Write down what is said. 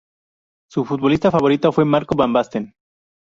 Su futbolista favorito fue Marco van Basten.